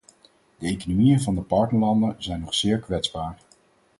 De economieën van de partnerlanden zijn nog zeer kwetsbaar.